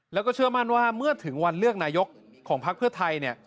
แล้วก็เชื่อมั่นว่าเมื่อถึงวันเลือกนายกของพักเพื่อไทยเนี่ย